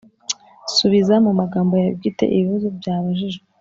Subiza mu magambo yawe bwite ibibazo byabajijwe